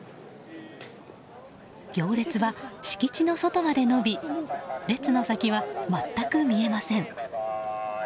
行列は敷地の外まで延び列の先は全く見えません。